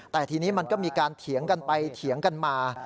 แต่ทีนี้มันก็มีการเถียงกันไปเถียงกันมา